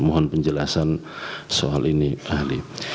mohon penjelasan soal ini pak ahli